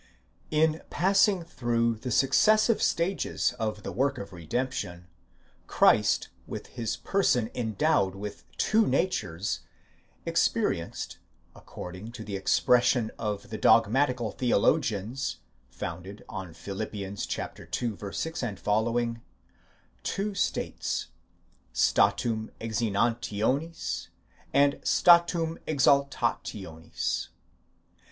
In passing through the successive stages of the work of redemption, Christ with his person endowed with two natures, experienced, according to the ex pression of the dogmatical theologians, founded on Phil. ii. 6 ff., two states, statum exinanitionts, and statum exaltationis.